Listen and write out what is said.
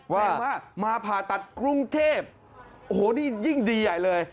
แรงมากมาผ่าตัดกรุงเทพโอ้โหนี่ยิ่งดีใหญ่เลย